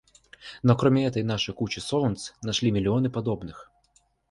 Но кроме этой наши кучи солнц нашли миллионы подобных.